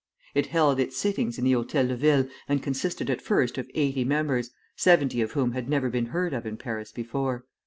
It held its sittings in the Hôtel de Ville, and consisted at first of eighty members, seventy of whom had never been heard of in Paris before.